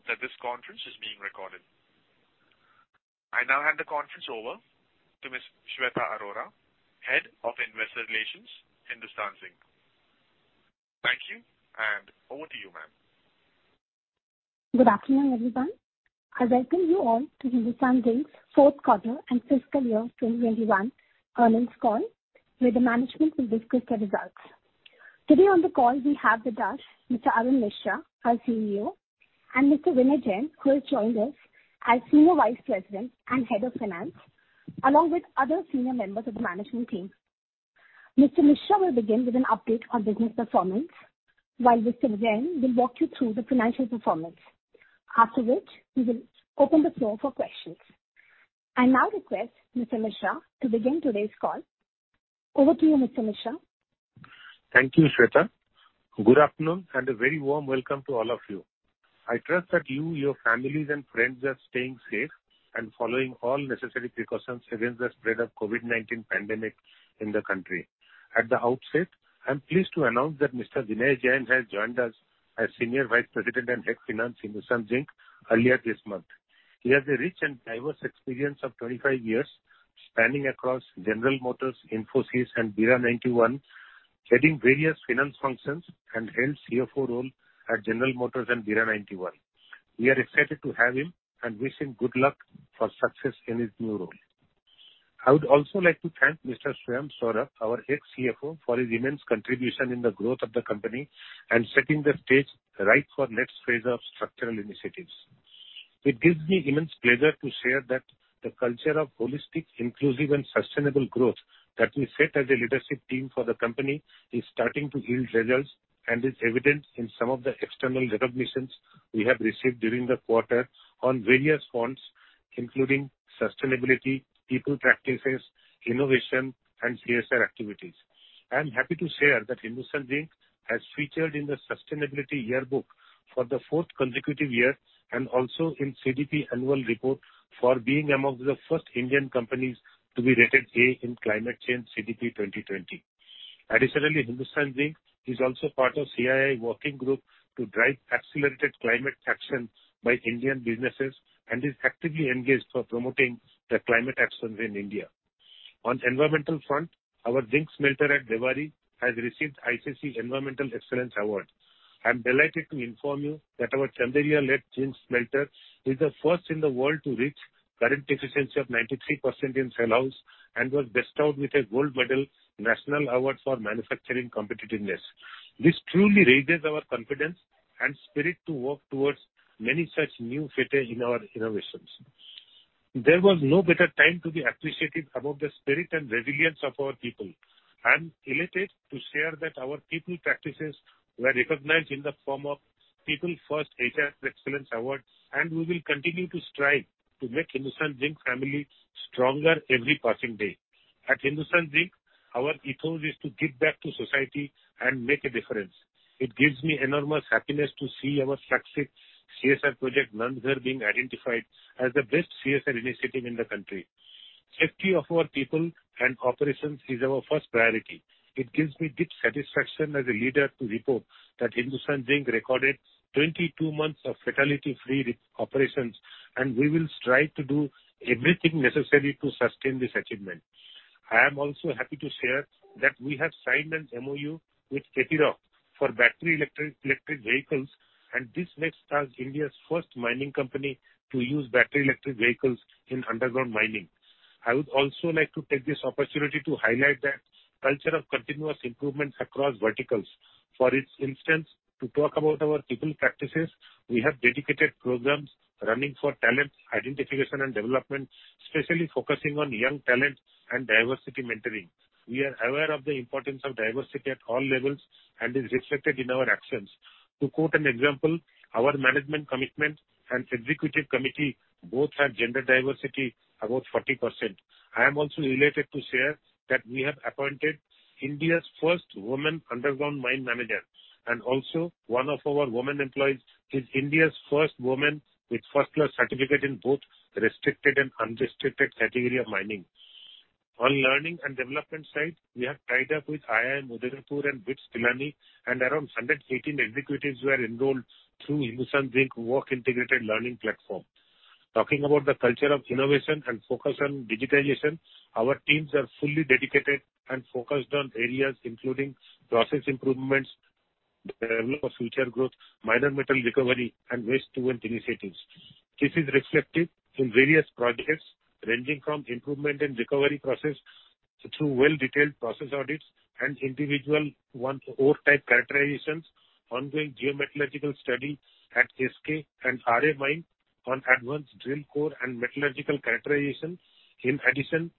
Please note that this conference is being recorded. I now hand the conference over to Ms. Shweta Arora, Head of Investor Relations, Hindustan Zinc. Thank you, over to you, ma'am. Good afternoon, everyone. I welcome you all to Hindustan Zinc's fourth quarter and fiscal year 2021 earnings call, where the management will discuss the results. Today on the call we have with us Mr. Arun Misra, our CEO, and Mr. Vinay Jain, who has joined us as Senior Vice President and Head of Finance, along with other senior members of the management team. Mr. Misra will begin with an update on business performance, while Mr. Jain will walk you through the financial performance. After which, we will open the floor for questions. I now request Mr. Misra to begin today's call. Over to you, Mr. Misra. Thank you, Shweta. Good afternoon and a very warm welcome to all of you. I trust that you, your families, and friends are staying safe and following all necessary precautions against the spread of COVID-19 pandemic in the country. At the outset, I am pleased to announce that Mr. Vinay Jain has joined us as Senior Vice President and Head of Finance in Hindustan Zinc earlier this month. He has a rich and diverse experience of 25 years spanning across General Motors, Infosys, and Bira 91, heading various finance functions and held CFO role at General Motors and Bira 91. We are excited to have him and wish him good luck for success in his new role. I would also like to thank Mr. Swayam Saurabh, our ex-CFO, for his immense contribution in the growth of the company and setting the stage right for next phase of structural initiatives. It gives me immense pleasure to share that the culture of holistic, inclusive, and sustainable growth that we set as a leadership team for the company is starting to yield results and is evident in some of the external recognitions we have received during the quarter on various fronts, including sustainability, people practices, innovation, and CSR activities. I'm happy to share that Hindustan Zinc has featured in the Sustainability Yearbook for the fourth consecutive year, and also in CDP annual report for being amongst the first Indian companies to be rated A in climate change CDP 2020. Additionally, Hindustan Zinc is also part of CII working group to drive accelerated climate action by Indian businesses and is actively engaged for promoting the climate action in India. On environmental front, our zinc smelter at Debari has received ICC Environmental Excellence Award. I'm delighted to inform you that our Chanderiya lead-zinc smelter is the first in the world to reach current efficiency of 93% in cell house and was bestowed with a gold medal National Award for Manufacturing Competitiveness. This truly raises our confidence and spirit to work towards many such new feats in our innovations. There was no better time to be appreciative about the spirit and resilience of our people. I'm elated to share that our people practices were recognized in the form of PeopleFirst HR Excellence Awards, and we will continue to strive to make Hindustan Zinc family stronger every passing day. At Hindustan Zinc, our ethos is to give back to society and make a difference. It gives me enormous happiness to see our success CSR project, Nand Ghar, being identified as the best CSR initiative in the country. Safety of our people and operations is our first priority. It gives me deep satisfaction as a leader to report that Hindustan Zinc recorded 22 months of fatality-free operations, and we will strive to do everything necessary to sustain this achievement. I am also happy to share that we have signed an MoU with Caterpillar for battery electric vehicles, and this makes us India's first mining company to use battery electric vehicles in underground mining. I would also like to take this opportunity to highlight the culture of continuous improvements across verticals. For instance, to talk about our people practices, we have dedicated programs running for talent identification and development, especially focusing on young talent and diversity mentoring. We are aware of the importance of diversity at all levels and is reflected in our actions. To quote an example, our management commitment and executive committee both have gender diversity above 40%. I am also elated to share that we have appointed India's first woman underground mine manager, and also one of our woman employees is India's first woman with first-class certificate in both restricted and unrestricted category of mining. On learning and development side, we have tied up with IIM Udaipur and BITS Pilani, and around 118 executives were enrolled through Hindustan Zinc work integrated learning platform. Talking about the culture of innovation and focus on digitalization, our teams are fully dedicated and focused on areas including process improvements, the level of future growth, minor metal recovery, and waste to wealth initiatives. This is reflected in various projects ranging from improvement in recovery process through well-detailed process audits and individual ore type characterizations, ongoing geometallurgical study at SK and RA mine on advanced drill core and metallurgical characterization. In addition,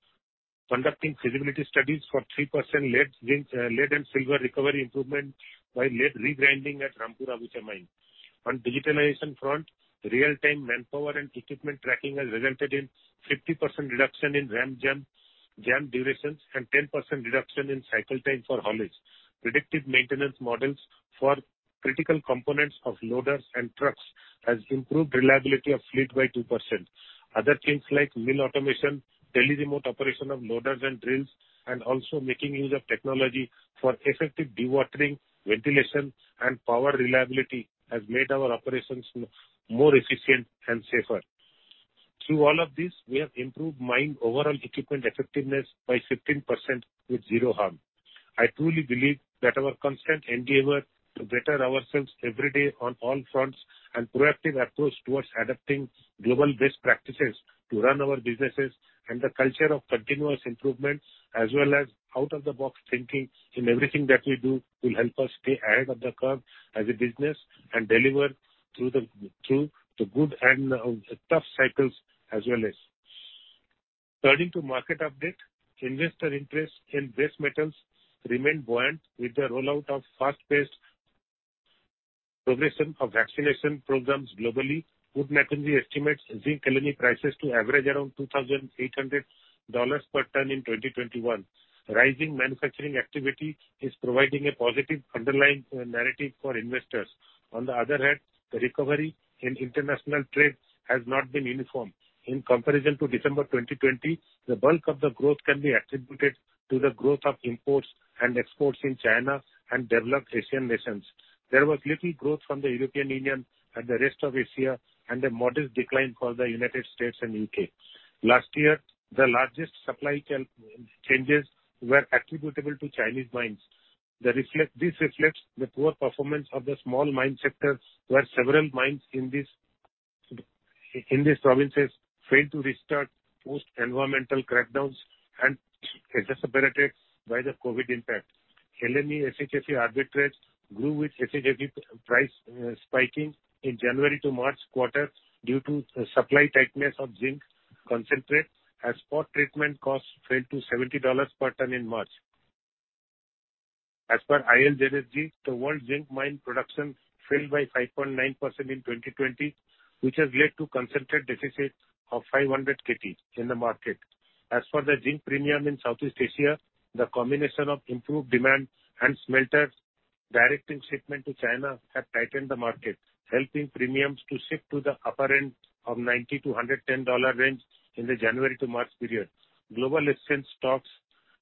conducting feasibility studies for 3% lead and silver recovery improvement by lead regrinding at Rampura Agucha Mine. On digitalization front, real-time manpower and equipment tracking has resulted in 50% reduction in ramp jam durations and 10% reduction in cycle time for haulage. Predictive maintenance models for critical components of loaders and trucks has improved reliability of fleet by 2%. Also making use of technology for effective dewatering, ventilation, and power reliability has made our operations more efficient and safer. Through all of this, we have improved mine overall equipment effectiveness by 15% with zero harm. I truly believe that our constant endeavor to better ourselves every day on all fronts and proactive approach towards adapting global best practices to run our businesses and the culture of continuous improvements as well as out-of-the-box thinking in everything that we do will help us stay ahead of the curve as a business and deliver through the good and tough cycles as well. Turning to market update, investor interest in base metals remain buoyant with the rollout of fast-paced progression of vaccination programs globally. Wood Mackenzie estimates zinc LME prices to average around $2,800 per ton in 2021. Rising manufacturing activity is providing a positive underlying narrative for investors. On the other hand, the recovery in international trade has not been uniform. In comparison to December 2020, the bulk of the growth can be attributed to the growth of imports and exports in China and developed Asian nations. There was little growth from the European Union and the rest of Asia, and a modest decline for the United States and U.K. Last year, the largest supply changes were attributable to Chinese mines. This reflects the poor performance of the small mine sectors, where several mines in these provinces failed to restart post environmental crackdowns and exacerbated by the COVID-19 impact. LME SHFE arbitrage grew with SHFE price spiking in January to March quarter due to supply tightness of zinc concentrate as spot treatment costs fell to $70 per ton in March. As per ILZSG, the world zinc mine production fell by 5.9% in 2020, which has led to concentrate deficits of 500 Kt in the market. As for the zinc premium in Southeast Asia, the combination of improved demand and smelters directing shipment to China have tightened the market, helping premiums to shift to the upper end of $90-$110 range in the January to March period. Global exchange stocks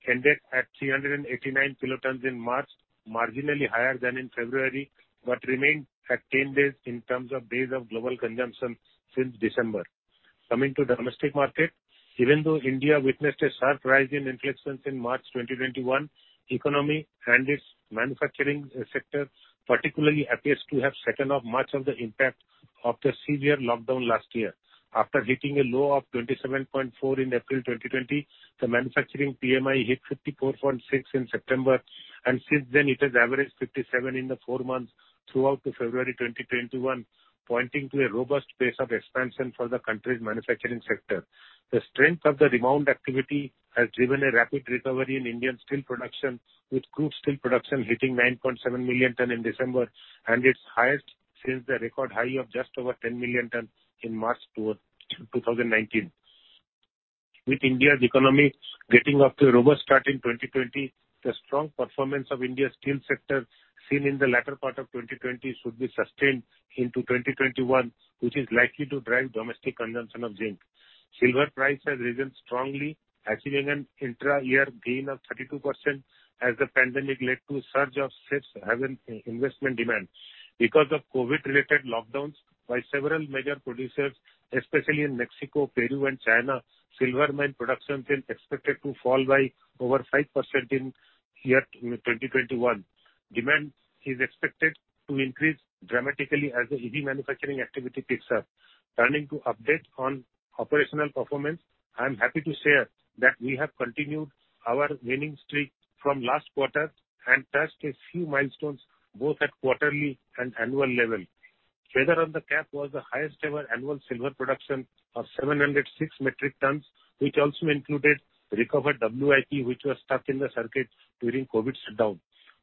ended at 389 kilotons in March, marginally higher than in February, but remained at 10 days in terms of days of global consumption since December. Coming to the domestic market, even though India witnessed a sharp rise in infections in March 2021, economy and its manufacturing sector particularly appears to have shaken off much of the impact of the severe lockdown last year. After hitting a low of 27.4 in April 2020, the manufacturing PMI hit 54.6 in September, and since then it has averaged 57 in the four months throughout to February 2021, pointing to a robust pace of expansion for the country's manufacturing sector. The strength of the rebound activity has driven a rapid recovery in Indian steel production, with crude steel production hitting 9.7 million tons in December and its highest since the record high of just over 10 million tons in March 2019. With India's economy getting off to a robust start in 2020, the strong performance of India's steel sector seen in the latter part of 2020 should be sustained into 2021, which is likely to drive domestic consumption of zinc. Silver price has risen strongly, achieving an intra-year gain of 32% as the pandemic led to surge of safe haven investment demand. Because of COVID-related lockdowns by several major producers, especially in Mexico, Peru, and China, silver mine production is expected to fall by over 5% in year 2021. Demand is expected to increase dramatically as the EV manufacturing activity picks up. Turning to update on operational performance. I'm happy to share that we have continued our winning streak from last quarter and touched a few milestones both at quarterly and annual level. Feather on the cap was the highest ever annual silver production of 706 metric tons, which also included recovered WIP, which was stuck in the circuit during COVID shutdown.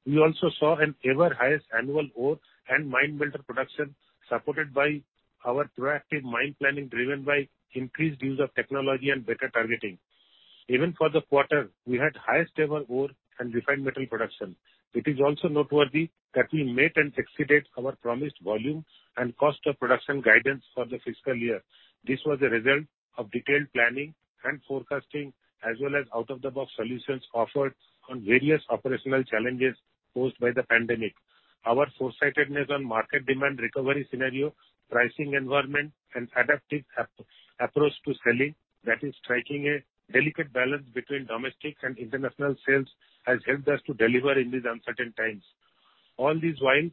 We also saw an ever highest annual ore and mine metal production, supported by our proactive mine planning, driven by increased use of technology and better targeting. Even for the quarter, we had highest ever ore and refined metal production. It is also noteworthy that we met and exceeded our promised volume and cost of production guidance for the fiscal year. This was a result of detailed planning and forecasting as well as out-of-the-box solutions offered on various operational challenges posed by the pandemic. Our foresightedness on market demand recovery scenario, pricing environment, and adaptive approach to selling, that is striking a delicate balance between domestic and international sales, has helped us to deliver in these uncertain times. All this while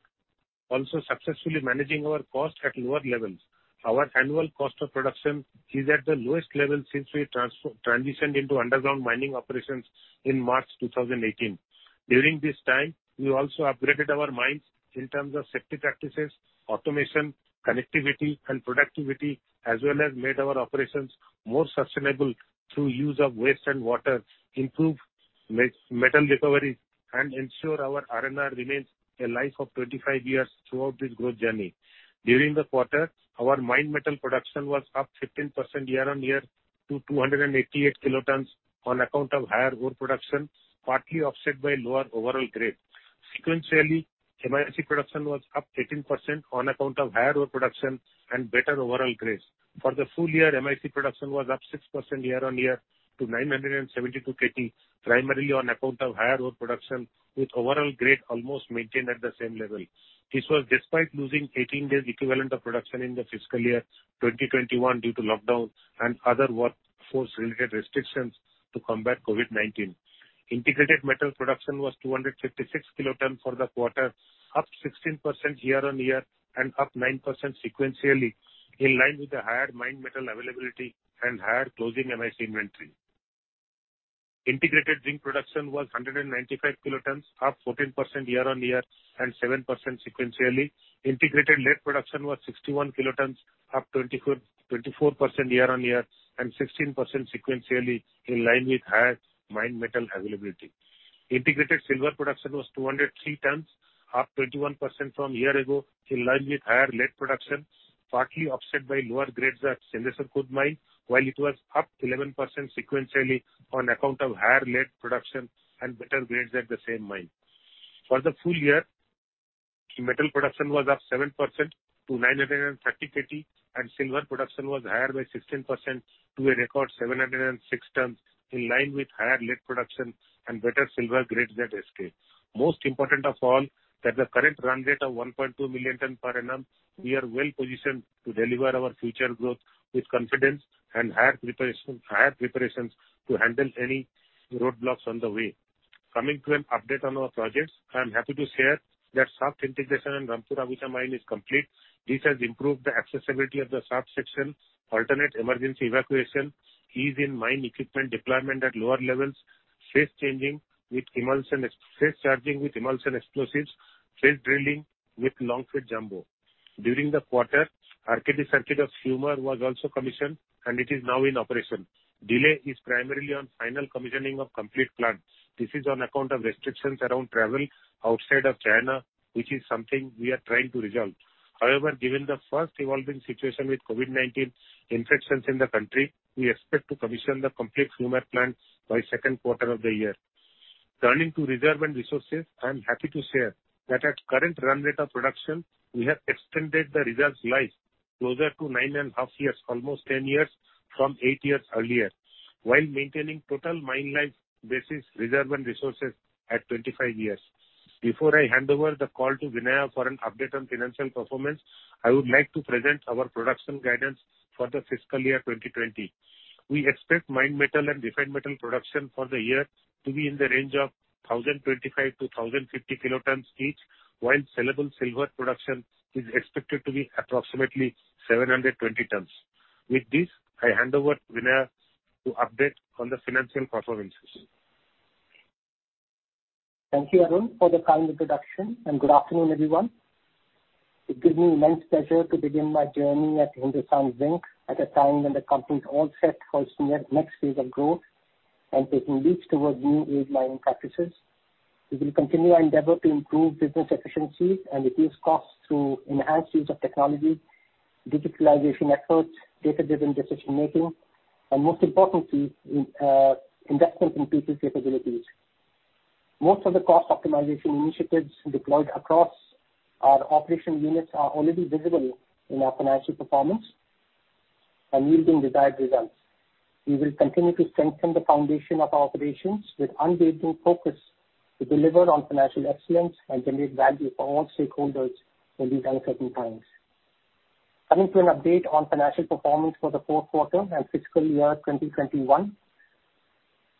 also successfully managing our cost at lower levels. Our annual cost of production is at the lowest level since we transitioned into underground mining operations in March 2018. During this time, we also upgraded our mines in terms of safety practices, automation, connectivity, and productivity, as well as made our operations more sustainable through use of waste and water, improved metal recovery, and ensure our R&R remains a life of 25 years throughout this growth journey. During the quarter, our mine metal production was up 15% year-on-year to 288 kilotons on account of higher ore production, partly offset by lower overall grade. Sequentially, MIC production was up 18% on account of higher ore production and better overall grades. For the full year, MIC production was up 6% year-on-year to 972 KT, primarily on account of higher ore production, with overall grade almost maintained at the same level. This was despite losing 18 days equivalent of production in the fiscal year 2021 due to lockdown and other workforce-related restrictions to combat COVID-19. Integrated metal production was 256 kiloton for the quarter, up 16% year-on-year and up 9% sequentially, in line with the higher mined metal availability and higher closing MIC inventory. Integrated zinc production was 195 kilotons, up 14% year-on-year and 7% sequentially. Integrated lead production was 61 kilotons, up 24% year-on-year and 16% sequentially, in line with higher mined metal availability. Integrated silver production was 203 tons, up 21% from a year ago, in line with higher lead production, partly offset by lower grades at Sindesar Khurd Mine, while it was up 11% sequentially on account of higher lead production and better grades at the same mine. For the full year, metal production was up 7% to 930 Kt, and silver production was higher by 16% to a record 706 tons, in line with higher lead production and better silver grades at SK. Most important of all, that the current run rate of 1.2 million ton per annum, we are well-positioned to deliver our future growth with confidence and higher preparations to handle any roadblocks on the way. Coming to an update on our projects, I'm happy to share that shaft integration in Rampura Agucha Mine is complete. This has improved the accessibility of the shaft section, alternate emergency evacuation, ease in mine equipment deployment at lower levels, face changing with emulsion, face charging with emulsion explosives, face drilling with long feed jumbo. During the quarter, RKD circuit of Fumer was also commissioned, and it is now in operation. Delay is primarily on final commissioning of complete plant. This is on account of restrictions around travel outside of China, which is something we are trying to resolve. However, given the fast-evolving situation with COVID-19 infections in the country, we expect to commission the complete Fumer plant by second quarter of the year. Turning to reserve and resources, I'm happy to share that at current run rate of production, we have extended the reserves' life closer to nine and a half years, almost 10 years, from eight years earlier, while maintaining total mine life basis reserve and resources at 25 years. Before I hand over the call to Vinay Jain for an update on financial performance, I would like to present our production guidance for the fiscal year 2020. We expect mined metal and refined metal production for the year to be in the range of 1,025-1,050 kilotons each, while sellable silver production is expected to be approximately 720 tons. With this, I hand over Vinay Jain to update on the financial performances. Thank you, Arun, for the kind introduction. Good afternoon, everyone. It gives me immense pleasure to begin my journey at Hindustan Zinc at a time when the company is all set for its next phase of growth and taking leaps towards new age mining practices. We will continue our endeavor to improve business efficiencies and reduce costs through enhanced use of technology, digitalization efforts, data-driven decision making, and most importantly, investment in people's capabilities. Most of the cost optimization initiatives deployed across our operation units are already visible in our financial performance and yielding desired results. We will continue to strengthen the foundation of our operations with undiminishing focus to deliver on financial excellence and generate value for all stakeholders in these uncertain times. Coming to an update on financial performance for the fourth quarter and fiscal year 2021.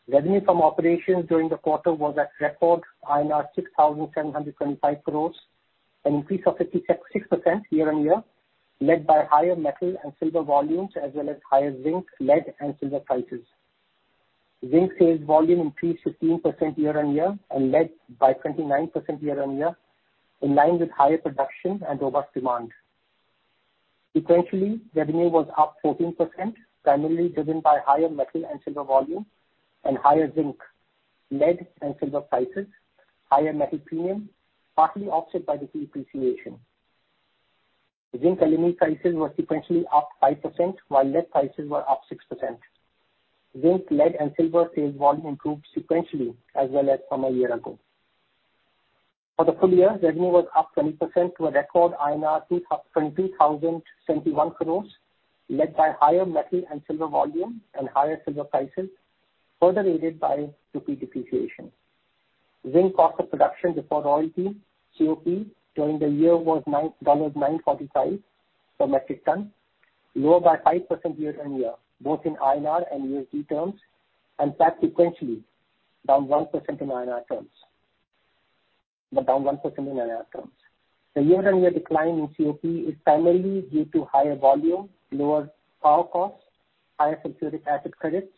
Revenue from operations during the quarter was at record INR 6,725 crores, an increase of 56% year-on-year, led by higher metal and silver volumes as well as higher zinc, lead, and silver prices. Zinc sales volume increased 15% year-on-year and lead by 29% year-on-year, in line with higher production and robust demand. Sequentially, revenue was up 14%, primarily driven by higher metal and silver volume and higher zinc, lead, and silver prices, higher metal premium, partly offset by the rupee depreciation. Zinc LME prices were sequentially up 5%, while lead prices were up 6%. Zinc, lead, and silver sales volume improved sequentially as well as from a year ago. For the full year, revenue was up 20% to a record INR 23,071 crores, led by higher metal and silver volume and higher silver prices, further aided by rupee depreciation. Zinc cost of production before royalty, COP, during the year was $9.45 per metric ton, lower by 5% year-on-year, both in INR and USD terms, flat sequentially, down 1% in INR terms. The year-on-year decline in COP is primarily due to higher volume, lower power costs, higher sulphuric acid credits,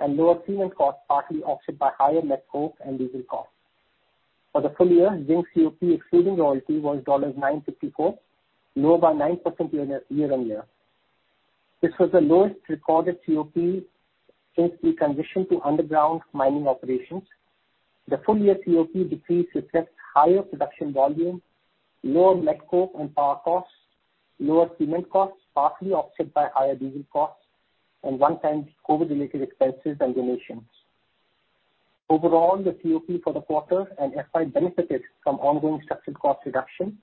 and lower cement costs, partly offset by higher met coke and diesel costs. For the full year, zinc COP excluding royalty was $9.54, lower by 9% year-on-year. This was the lowest recorded COP since we transitioned to underground mining operations. The full year COP decrease reflects higher production volume, lower met coke and power costs, lower cement costs, partly offset by higher diesel costs and one-time COVID-related expenses and donations. Overall, the COP for the quarter and FY benefited from ongoing structured cost reduction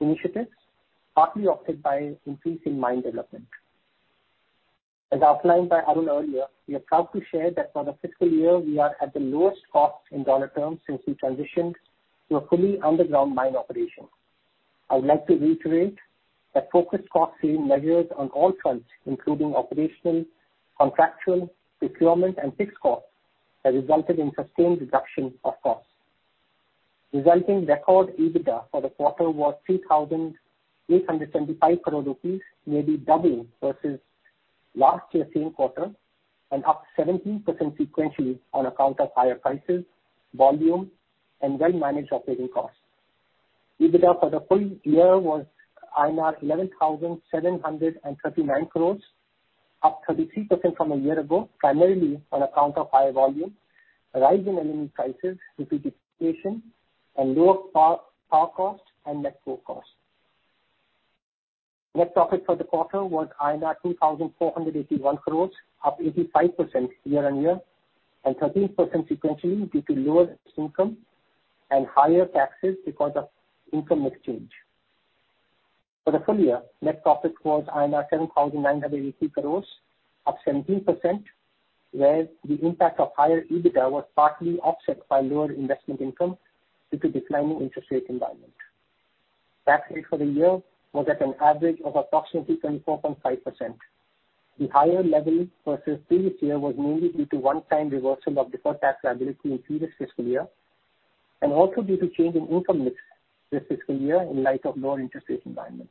initiatives, partly offset by increasing mine development. As outlined by Arun earlier, we are proud to share that for the fiscal year, we are at the lowest cost in dollar terms since we transitioned to a fully underground mine operation. I would like to reiterate that focused cost save measures on all fronts, including operational, contractual, procurement, and fixed costs, have resulted in sustained reduction of costs. Resulting record EBITDA for the quarter was 3,875 crores rupees, nearly double versus last year's same quarter, and up 17% sequentially on account of higher prices, volume, and well-managed operating costs. EBITDA for the full year was INR 11,739 crores, up 33% from a year ago, primarily on account of higher volume, rise in LME prices due to depreciation, and lower power costs and met coke costs. Net profit for the quarter was 2,481 crores, up 85% year-on-year, and 13% sequentially due to lower income and higher taxes because of income mix change. For the full year, net profit was 7,983 crores, up 17%, where the impact of higher EBITDA was partly offset by lower investment income due to declining interest rate environment. Tax rate for the year was at an average of approximately 24.5%. The higher level versus previous year was mainly due to one-time reversal of deferred tax liability in previous fiscal year, and also due to change in income mix this fiscal year in light of lower interest rate environment.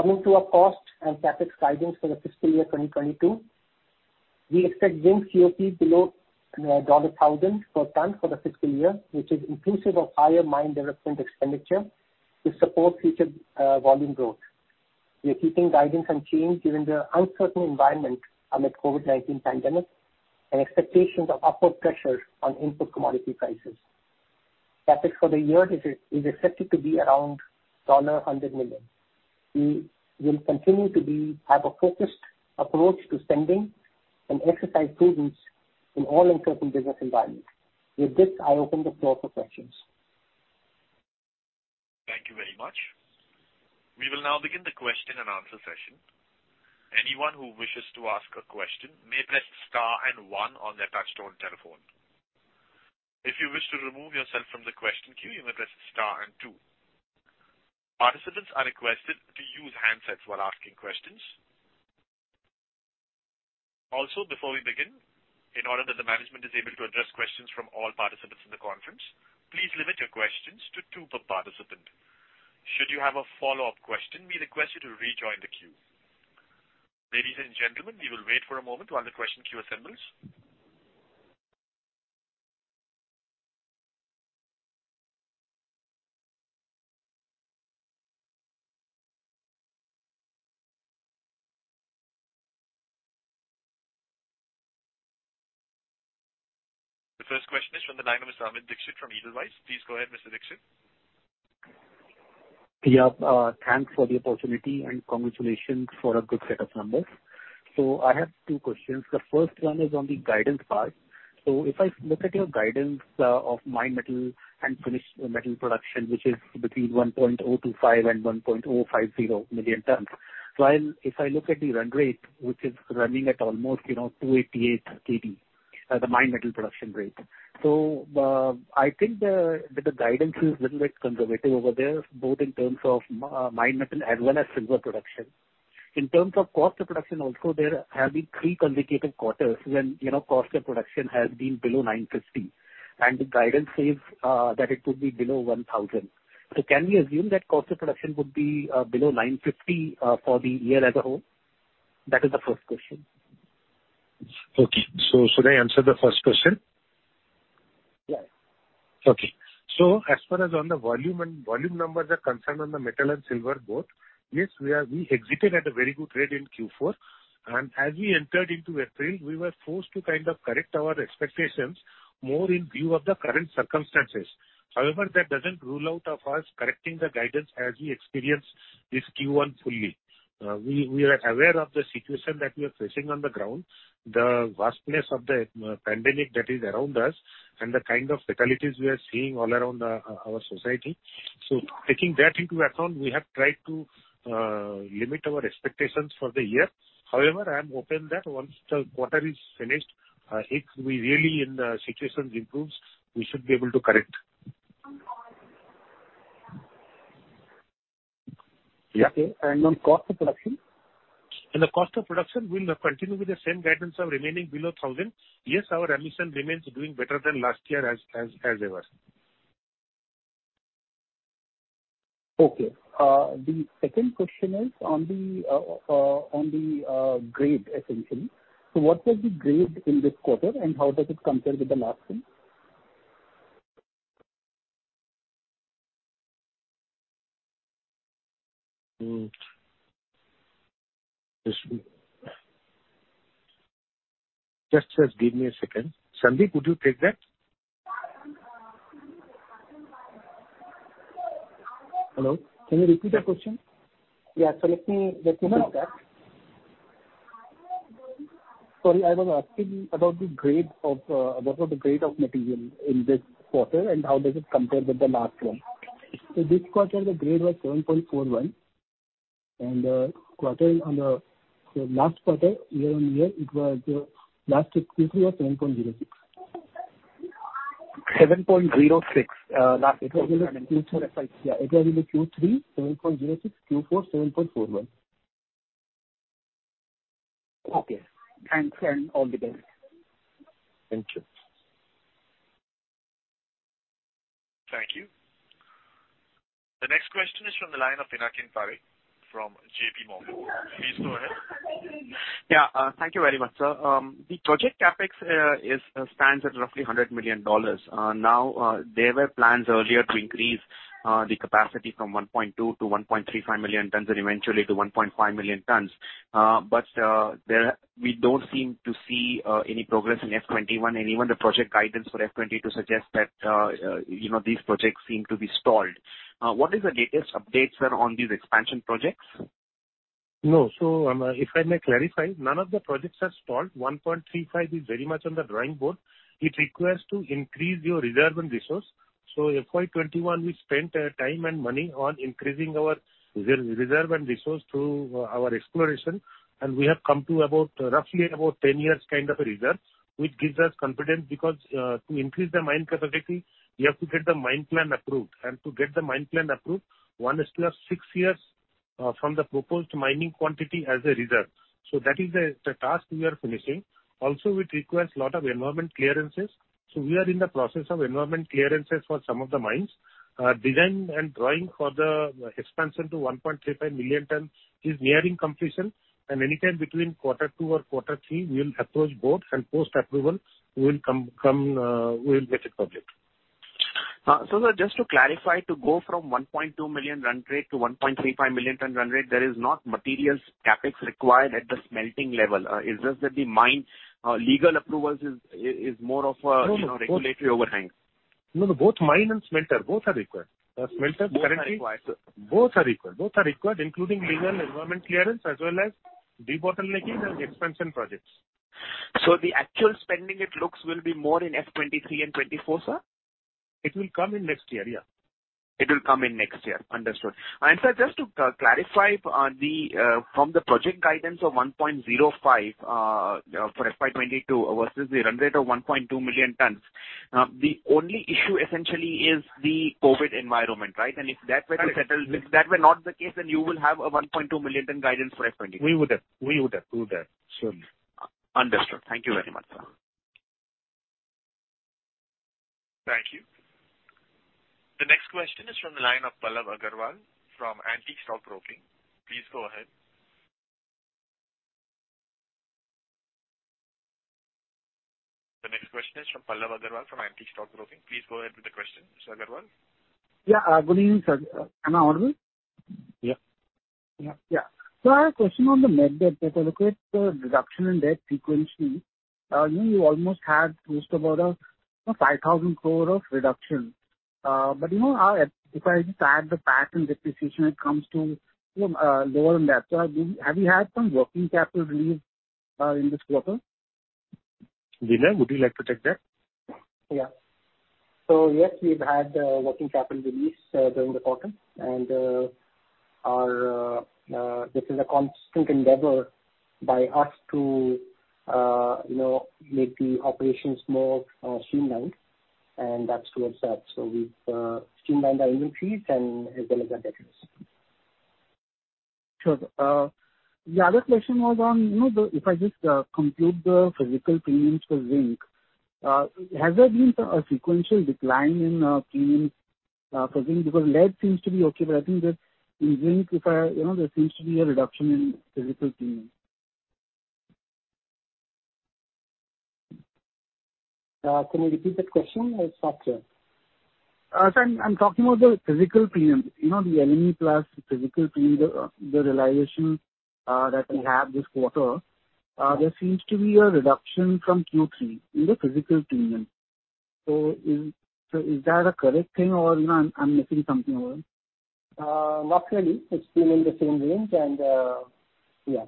Coming to our cost and CapEx guidance for the fiscal year 2022. We expect zinc COP below $1,000 per ton for the fiscal year, which is inclusive of higher mine development expenditure to support future volume growth. We are keeping guidance unchanged given the uncertain environment amid COVID-19 pandemic and expectations of upward pressure on input commodity prices. CapEx for the year is expected to be around $100 million. We will continue to have a focused approach to spending and exercise prudence in all uncertain business environments. With this, I open the floor for questions. Thank you very much. We will now begin the question-and-answer session. Anyone who wishes to ask a question may press star and one on their touch-tone telephone. If you wish to remove yourself from the question queue, you may press star and two. Participants are requested to use handsets while asking questions. Also, before we begin, in order that the management is able to address questions from all participants in the conference, please limit your questions to two per participant. Should you have a follow-up question, we request you to rejoin the queue. Ladies and gentlemen, we will wait for a moment while the question queue assembles. The first question is from the line of Amit Dixit from Edelweiss. Please go ahead, Mr. Dixit. Yeah, thanks for the opportunity and congratulations for a good set of numbers. I have two questions. The first one is on the guidance part. If I look at your guidance of mine metal and finished metal production, which is between 1.025 and 1.050 million tons. If I look at the run rate, which is running at almost 288 Kt as a mine metal production rate. I think that the guidance is little bit conservative over there, both in terms of mine metal as well as silver production. In terms of cost of production also, there have been three consecutive quarters when cost of production has been below 950, and the guidance says that it could be below 1,000. Can we assume that cost of production would be below 950 for the year as a whole? That is the first question. Okay, should I answer the first question? Yes. Okay. As far as on the volume and volume numbers are concerned on the metal and silver both, yes, we exited at a very good rate in Q4. As we entered into April, we were forced to kind of correct our expectations more in view of the current circumstances. However, that doesn't rule out of us correcting the guidance as we experience this Q1 fully. We are aware of the situation that we are facing on the ground, the vastness of the pandemic that is around us, and the kind of fatalities we are seeing all around our society. Taking that into account, we have tried to limit our expectations for the year. However, I am open that once the quarter is finished, if really the situation improves, we should be able to correct. Okay. On cost of production? On the cost of production, we'll continue with the same guidance of remaining below 1,000. Yes, our ambition remains doing better than last year as ever. Okay. The second question is on the grade, essentially. What was the grade in this quarter, and how does it compare with the last one? Just give me a second. Sandeep, could you take that? Hello. Can you repeat the question? Yeah. Let me look at. Sorry, I was asking about the grade of material in this quarter, and how does it compare with the last one? This quarter, the grade was 7.41%, and the last quarter, year-on-year, it was last Q3 was 7.06%. 7.06%, last Q3. Yeah. It was only Q3, 7.06%. Q4, 7.41%. Okay. Thanks, and all the best. Thank you. Thank you. The next question is from the line of. Thank you very much, sir. The project CapEx stands at roughly $100 million. There were plans earlier to increase the capacity from 1.2-1.35 million tons and eventually to 1.5 million tons. We don't seem to see any progress in FY 2021 and even the project guidance for FY 2022 suggests that these projects seem to be stalled. What is the latest updates on these expansion projects? No. If I may clarify, none of the projects are stalled. 1.35 is very much on the drawing board. It requires to increase your reserve and resource. FY 2021, we spent time and money on increasing our reserve and resource through our exploration, and we have come to roughly about 10 years kind of a reserve, which gives us confidence because to increase the mine capacity, you have to get the mine plan approved. To get the mine plan approved, one is to have six years from the proposed mining quantity as a reserve. That is the task we are finishing. Also, it requires lot of environment clearances. We are in the process of environment clearances for some of the mines. Design and drawing for the expansion to 1.35 million tons is nearing completion, and anytime between quarter two or quarter three, we'll approach boards, and post-approval, we'll get it public. Sir, just to clarify, to go from 1.2 million ton run rate to 1.35 million ton run rate, there is not materials CapEx required at the smelting level. No. Regulatory overhang. No. Both mine and smelter, both are required. Both are required, sir. Both are required. Both are required, including legal environment clearance as well as debottlenecking and expansion projects. The actual spending, it looks, will be more in FY 2023 and FY 2024, sir? It will come in next year, yeah. It will come in next year. Understood. Sir, just to clarify from the project guidance of 1.05 for FY 2022 versus the run rate of 1.2 million tons. The only issue essentially is the COVID-19 environment, right? If that were settled, if that were not the case, then you will have a 1.2 million ton guidance for FY 2022. We would have. Surely. Understood. Thank you very much, sir. Thank you. The next question is from the line of Pallav Agarwal from Antique Stock Broking. Please go ahead. The next question is from Pallav Agarwal from Antique Stock Broking. Please go ahead with the question, Mr. Agarwal. Good evening, sir. Am I audible? Yeah. Yeah. I have a question on the net debt. Look at the reduction in debt sequentially. You almost had close to about 5,000 crore of reduction. If I just add the PAT and depreciation, it comes to lower than that. Have you had some working capital relief in this quarter? Vinay Jain, would you like to take that? Yeah. Yes, we've had working capital release during the quarter, and this is a constant endeavor by us to make the operations more streamlined and that's towards that. We've streamlined our inventories and as well as our debtors. Sure. The other question was on, if I just compute the physical premiums for zinc, has there been a sequential decline in premium for zinc? Lead seems to be okay, but I think that in zinc, there seems to be a reduction in physical premium. Can you repeat that question? I stopped here. Sir, I'm talking about the physical premium, the LME plus the physical premium, the realization that we have this quarter. There seems to be a reduction from Q3 in the physical premium. Is that a correct thing, or no, I'm missing something over? Not really. It's been in the same range. Yeah,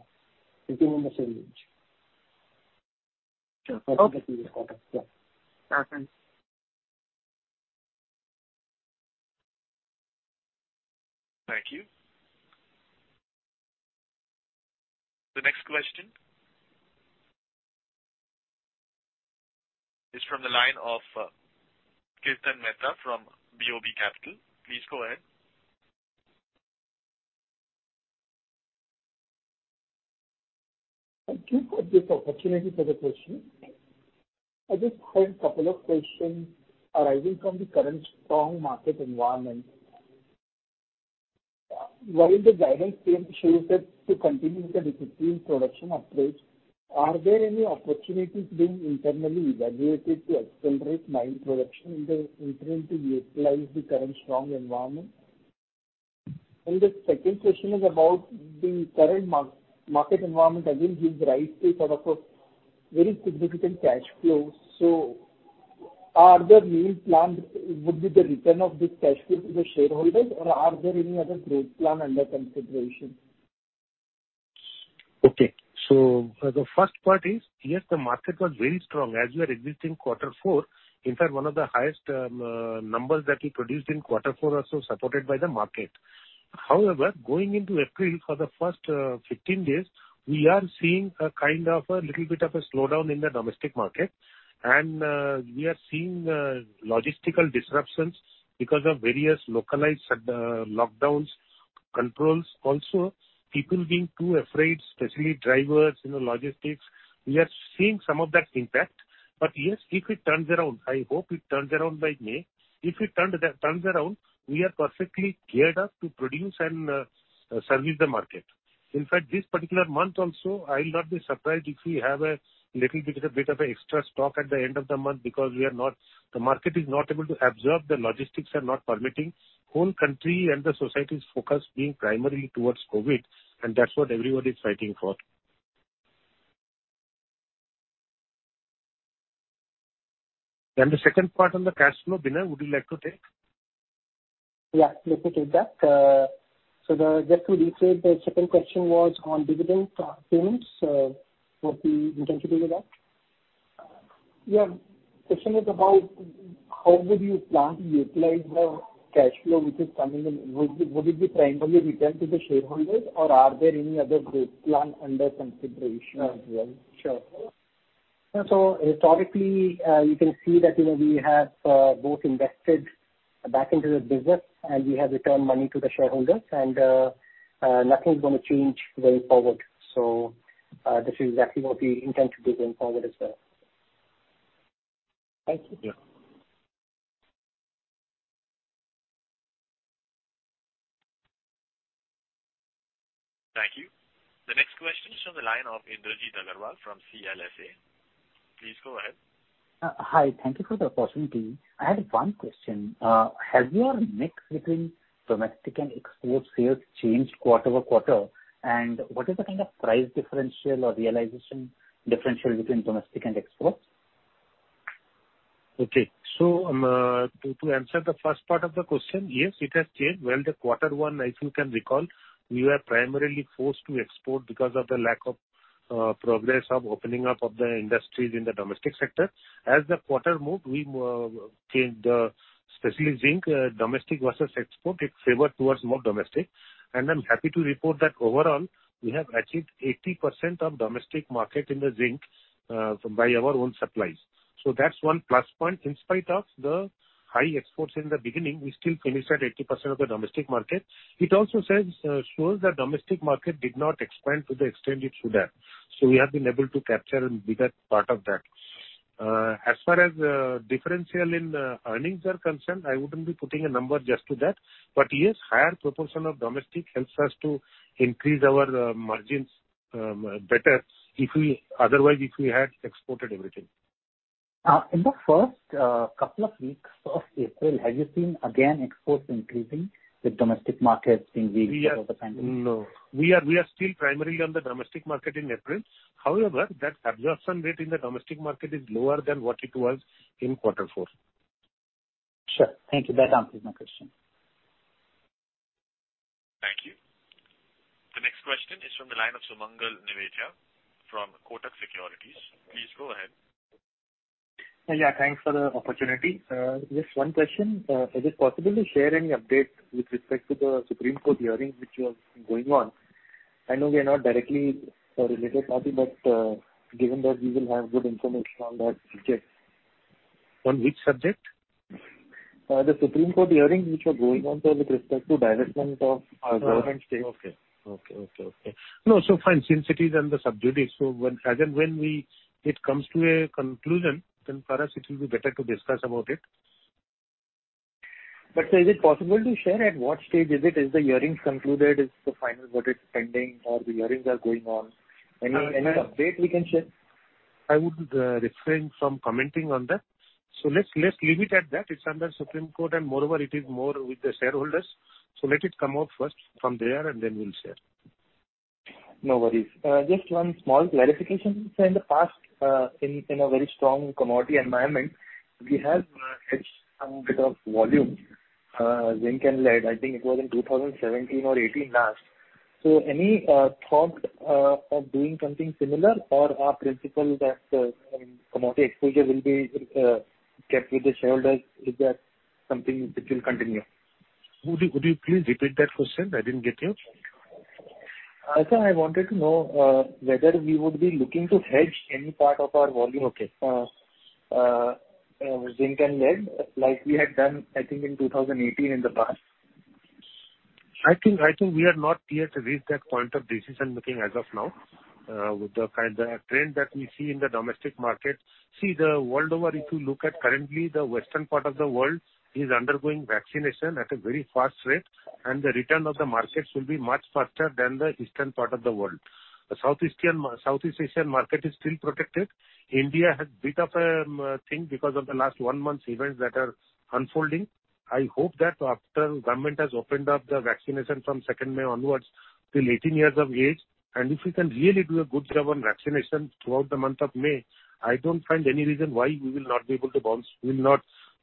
it's been in the same range. Sure. Okay. This quarter. Yeah. Okay. Thank you. The next question is from the line of Kirtan Mehta from BOB Capital. Please go ahead. Thank you for this opportunity for the question. I just had couple of questions arising from the current strong market environment. While the guidance team showed that to continue with the discipline production approach, are there any opportunities being internally evaluated to accelerate mine production in the interim to utilize the current strong environment? The second question is about the current market environment again gives rise to sort of a very significant cash flow. Are there any plans would be the return of this cash flow to the shareholders or are there any other growth plan under consideration? Okay. The first part is, yes, the market was very strong as we are existing quarter four. In fact, one of the highest numbers that we produced in quarter four are so supported by the market. However, going into April for the first 15 days, we are seeing a kind of a little bit of a slowdown in the domestic market. We are seeing logistical disruptions because of various localized lockdowns, controls, also people being too afraid, especially drivers in the logistics. We are seeing some of that impact. Yes, if it turns around, I hope it turns around by May. If it turns around, we are perfectly geared up to produce and service the market. In fact, this particular month also, I will not be surprised if we have a little bit of extra stock at the end of the month because the market is not able to absorb, the logistics are not permitting. The whole country and the society's focus being primarily towards COVID-19, and that's what everybody's fighting for. The second part on the cash flow, Vinay, would you like to take? Yeah, let me take that. Just to restate, the second question was on dividend payments. What we intend to do with that. Yeah. Question is about how would you plan to utilize the cash flow which is coming in. Would it be primarily return to the shareholders or are there any other growth plan under consideration as well? Sure. Historically, you can see that we have both invested back into the business and we have returned money to the shareholders, and nothing's going to change going forward. This is exactly what we intend to do going forward as well. Thank you. Yeah. Thank you. The next question is from the line Indrajit Agarwal from CLSA. Please go ahead. Hi. Thank you for the opportunity. I had one question. Has your mix between domestic and export sales changed quarter-over-quarter? What is the kind of price differential or realization differential between domestic and export? Okay. To answer the first part of the question, yes, it has changed. Well, the quarter one, I think you can recall, we were primarily forced to export because of the lack of progress of opening up of the industries in the domestic sector. As the quarter moved, we changed, especially zinc, domestic versus export, it favored towards more domestic. I'm happy to report that overall, we have achieved 80% of domestic market in the zinc by our own supplies. That's one plus point. In spite of the high exports in the beginning, we still finished at 80% of the domestic market. It also shows that domestic market did not expand to the extent it should have. We have been able to capture a bigger part of that. As far as differential in earnings are concerned, I wouldn't be putting a number just to that. Yes, higher proportion of domestic helps us to increase our margins better, otherwise, if we had exported everything. In the first couple of weeks of April, have you seen again exports increasing with domestic market being weak because of the pandemic? No. We are still primarily on the domestic market in April. However, that absorption rate in the domestic market is lower than what it was in quarter four. Sure. Thank you. That answers my question. Thank you. The next question is from the line of Sumangal Nevatia from Kotak Securities. Please go ahead. Yeah, thanks for the opportunity. Just one question. Is it possible to share any update with respect to the Supreme Court hearing which was going on? Given that we will have good information on that subject. On which subject? The Supreme Court hearings which were going on, sir, with respect to divestment of government stake. Okay. No, so fine. Since it is under sub judice, so as and when it comes to a conclusion, then for us, it will be better to discuss about it. Sir, is it possible to share at what stage is it? Is the hearings concluded? Is the final verdict pending or the hearings are going on? Any update we can share? I would refrain from commenting on that. Let's leave it at that. It's under Supreme Court, and moreover, it is more with the shareholders. Let it come out first from there, and then we'll share. No worries. Just one small clarification. Sir, in the past, in a very strong commodity environment, we have hedged some bit of volume, zinc and lead. I think it was in 2017 or 2018 last. Any thought of doing something similar or our principle that commodity exposure will be kept with the shareholders, is that something which will continue? Would you please repeat that question? I didn't get you. Sir, I wanted to know whether we would be looking to hedge any part of our volume. Okay. Zinc and lead like we had done, I think, in 2018 in the past. I think we are not yet reached that point of decision-making as of now with the trend that we see in the domestic market. The world over, if you look at currently, the western part of the world is undergoing vaccination at a very fast rate, and the return of the markets will be much faster than the eastern part of the world. The Southeast Asian market is still protected. India has a bit of a thing because of the last one month's events that are unfolding. I hope that after government has opened up the vaccination from second May onwards till 18 years of age, and if we can really do a good job on vaccination throughout the month of May, I don't find any reason why we will not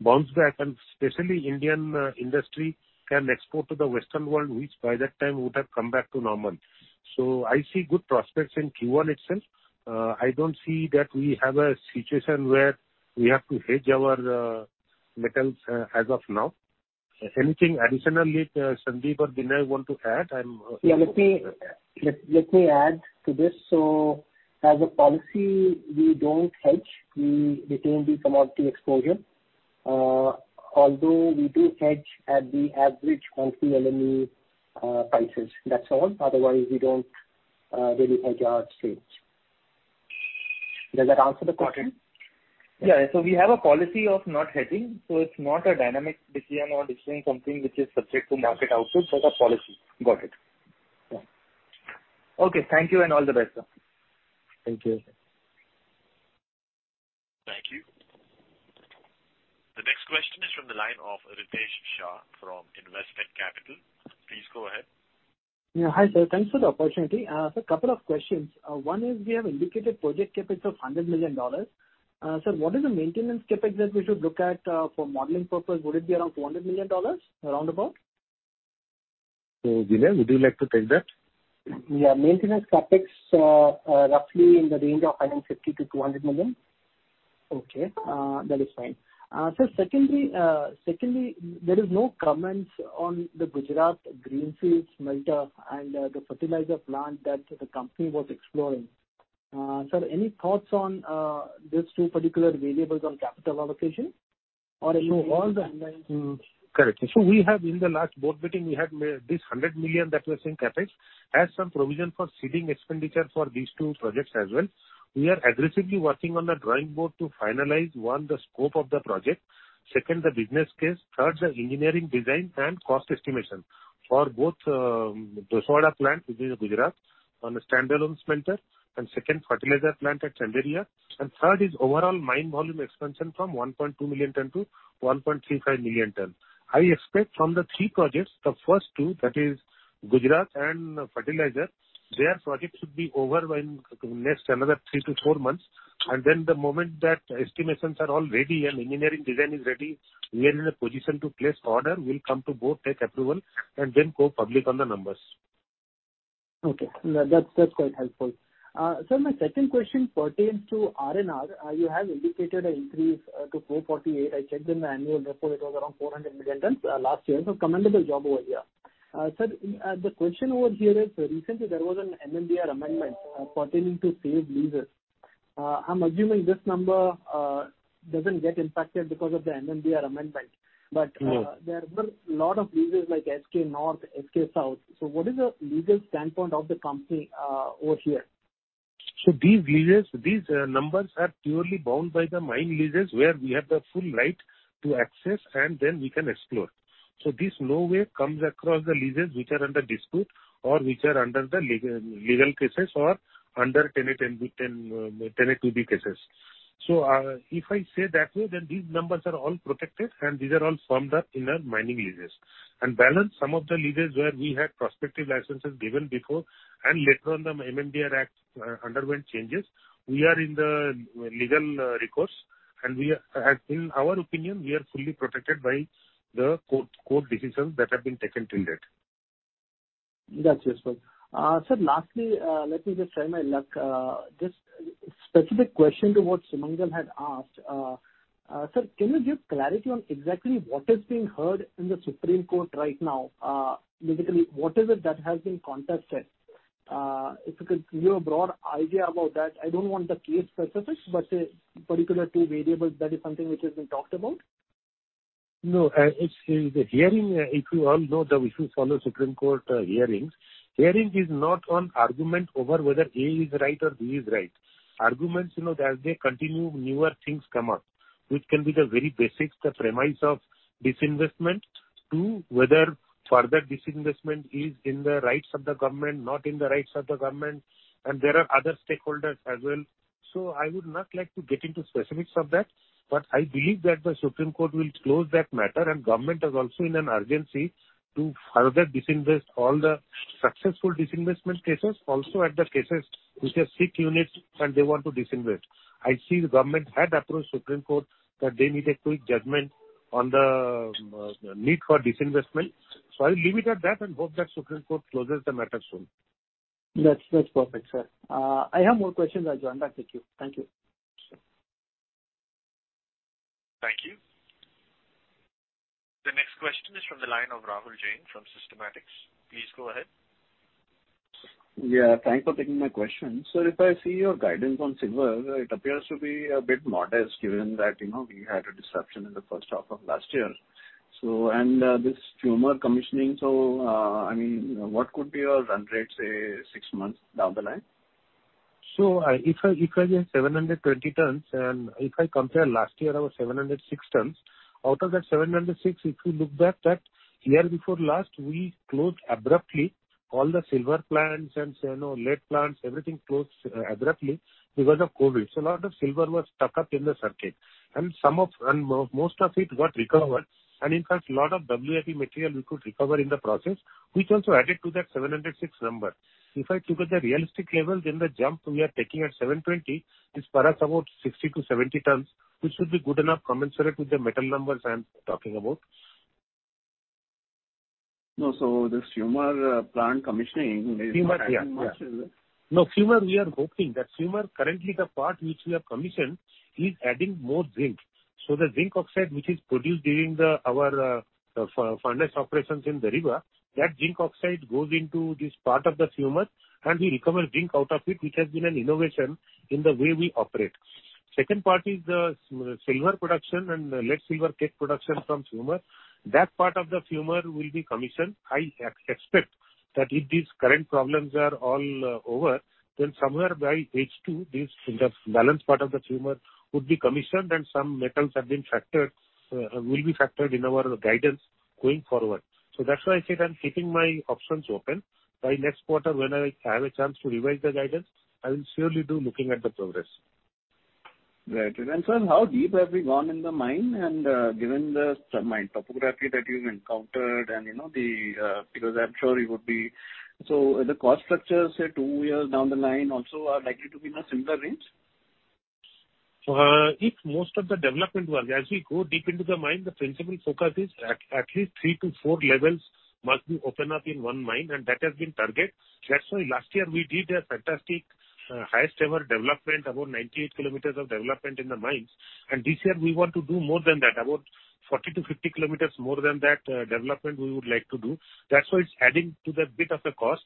bounce back, and especially Indian industry can export to the western world, which by that time would have come back to normal. I see good prospects in Q1 itself. I don't see that we have a situation where we have to hedge our metals as of now. Anything additionally, Sandeep or Vinay want to add? Yeah, let me add to this. As a policy, we don't hedge. We retain the commodity exposure. Although we do hedge at the average monthly LME prices. That's all. Otherwise, we don't really hedge our trades. Does that answer the question? Got it. Yeah. We have a policy of not hedging, so it's not a dynamic decision or deciding something which is subject to market outlook, but a policy. Got it. Yeah. Okay. Thank you, and all the best, sir. Thank you. Thank you. The next question is from the line of Ritesh Shah from Investec Capital. Please go ahead. Hi, sir. Thanks for the opportunity. Sir, couple of questions. One is we have indicated project CapEx of $100 million. Sir, what is the maintenance CapEx that we should look at for modeling purpose? Would it be around $400 million, round about? Vinay, would you like to take that? Yeah. Maintenance CapEx are roughly in the range of $150 million-$200 million. Okay, that is fine. Sir, secondly, there is no comments on the Gujarat greenfield smelter and the fertilizer plant that the company was exploring. Sir, any thoughts on these two particular variables on capital allocation? No, Correct. We have in the last board meeting, we had this $100 million that was in CapEx, has some provision for seeding expenditure for these two projects as well. We are aggressively working on the drawing board to finalize, one, the scope of the project, second, the business case, third, the engineering design and cost estimation. For both Doswada plant, which is in Gujarat, on a standalone smelter, and second, fertilizer plant at Chanderiya. Third is overall mine volume expansion from 1.2 million ton-1.35 million ton. I expect from the three projects, the first two, that is Gujarat and fertilizer, their project should be over by next another three to four months. Then the moment that estimations are all ready and engineering design is ready, we are in a position to place order. We'll come to board, take approval, and then go public on the numbers. Okay. That's quite helpful. Sir, my second question pertains to R&R. You have indicated an increase to 448. I checked in the annual report, it was around 400 million tons last year. Commendable job over here. Sir, the question over here is, recently there was an MMDR amendment pertaining to saved leases. I'm assuming this number doesn't get impacted because of the MMDR amendment. No There were lot of leases like SK North, SK South. What is the legal standpoint of the company over here? These leases, these numbers are purely bound by the mine leases where we have the full right to access and then we can explore. This nowhere comes across the leases which are under dispute or which are under the legal cases or under 10A, 10B cases. If I say that way, then these numbers are all protected and these are all from the inner mining leases. Balance, some of the leases where we had prospecting licenses given before, and later on the MMDR Act underwent changes. We are in the legal recourse, and in our opinion, we are fully protected by the court decisions that have been taken till date. That's useful. Sir, lastly, let me just try my luck. Just specific question to what Sumangal had asked. Sir, can you give clarity on exactly what is being heard in the Supreme Court right now? Legally, what is it that has been contested? If you could give a broad idea about that. I don't want the case specifics, but particular two variables, that is something which has been talked about. No. The hearing, if you all know, if you follow Supreme Court hearings, hearing is not on argument over whether A is right or B is right. Arguments, as they continue, newer things come up. Which can be the very basics, the premise of disinvestment to whether further disinvestment is in the rights of the government, not in the rights of the government, and there are other stakeholders as well. I would not like to get into specifics of that, but I believe that the Supreme Court will close that matter, and government is also in an urgency to further disinvest all the successful disinvestment cases, also add the cases which are sick units and they want to disinvest. I see the government had approached Supreme Court that they need a quick judgment on the need for disinvestment. I'll leave it at that and hope that Supreme Court closes the matter soon. That's perfect, sir. I have more questions. I'll join back with you. Thank you. Sure. Thank you. The next question is from the line of Rahul Jain from Systematix. Please go ahead. Yeah. Thanks for taking my question. Sir, if I see your guidance on silver, it appears to be a bit modest given that we had a disruption in the first half of last year and this Fumer commissioning. What could be your run rate, say, six months down the line? If I get 720 tons and if I compare last year, I was 706 tons. Out of that 706, if you look back at year before last, we closed abruptly. All the silver plants and lead plants, everything closed abruptly because of COVID. A lot of silver was stuck up in the circuit, and most of it got recovered. In fact, a lot of weighted-average-grade material we could recover in the process, which also added to that 706 number. If I took at the realistic level, then the jump we are taking at 720 is for us about 60-70 tons, which should be good enough commensurate with the metal numbers I am talking about. No, this Fumer plant commissioning. Fumer. Fumer, we are hoping. Fumer, currently the part which we have commissioned is adding more zinc. The zinc oxide which is produced during our furnace operations in Debari, that zinc oxide goes into this part of the Fumer, and we recover zinc out of it, which has been an innovation in the way we operate. Second part is the silver production and lead-silver cake production from Fumer. Part of the Fumer will be commissioned. I expect that if these current problems are all over, somewhere by H2, this balance part of the Fumer would be commissioned and some metals will be factored in our guidance going forward. That's why I said I'm keeping my options open. By next quarter when I have a chance to revise the guidance, I will surely do, looking at the progress. Right. sir, how deep have we gone in the mine, and given the topography that you've encountered. The cost structures say two years down the line also are likely to be in a similar range? If most of the development work, as we go deep into the mine, the principal focus is at least three to four levels must be open up in one mine. That has been target. That's why last year we did a fantastic highest ever development, about 98 kilometers of development in the mines. This year we want to do more than that. About 40-50 kilometers more than that development we would like to do. That's why it's adding to the bit of a cost.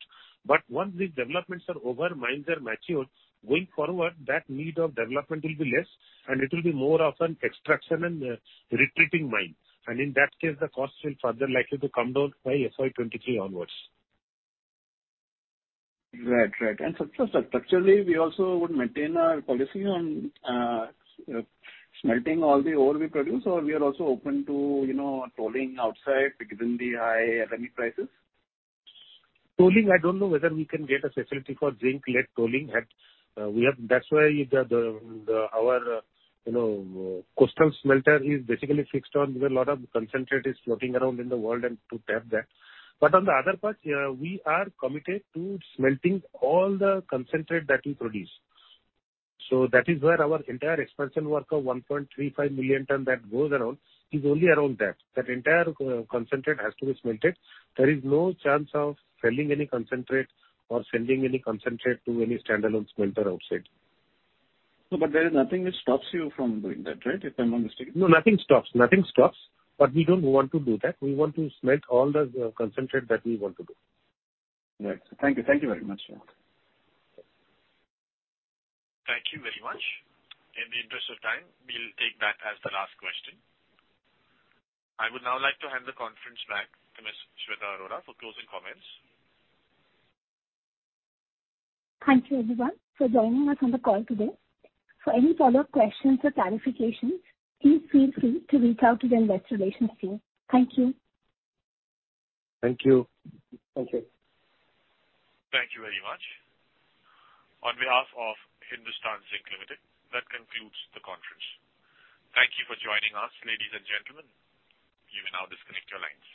Once these developments are over, mines are matured, going forward, that need of development will be less, and it will be more of an extraction and retreating mine. In that case, the costs will further likely to come down by FY 2023 onwards. Right. Structurally, we also would maintain our policy on smelting all the ore we produce, or we are also open to tolling outside given the high LME prices. Tolling, I don't know whether we can get a facility for zinc lead tolling. That's why our coastal smelter is basically fixed on, where a lot of concentrate is floating around in the world and to tap that. On the other part, we are committed to smelting all the concentrate that we produce. That is where our entire expansion work of 1.35 million ton that goes around is only around that. That entire concentrate has to be smelted. There is no chance of selling any concentrate or sending any concentrate to any standalone smelter outside. No, there is nothing which stops you from doing that, right? If I'm not mistaken. No, nothing stops. We don't want to do that. We want to smelt all the concentrate that we want to do. Right. Thank you. Thank you very much. Thank you very much. In the interest of time, we'll take that as the last question. I would now like to hand the conference back to Ms. Shweta Arora for closing comments. Thank you everyone for joining us on the call today. For any follow-up questions or clarifications, please feel free to reach out to the investor relations team. Thank you. Thank you. Thank you. Thank you very much. On behalf of Hindustan Zinc Limited, that concludes the conference. Thank you for joining us, ladies and gentlemen. You may now disconnect your lines.